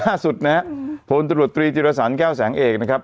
ล่าสุดนะครับโผล่ตรวจตรีศิรษรแก้วแสงเอกนะครับ